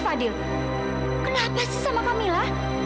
fadil kenapa sih sama kamila